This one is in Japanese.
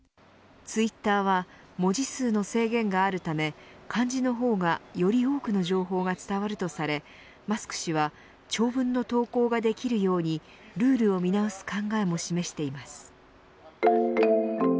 ツイッターは文字数の制限があるため漢字の方がより多くの情報が伝わるとされマスク氏は長文の投稿ができるようにルールを見直す考えも示しています。